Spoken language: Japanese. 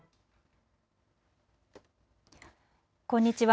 こんにちは。